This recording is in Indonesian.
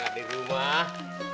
buat buka di rumah